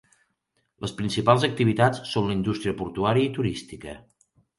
Les principals activitats són la indústria portuària i turística.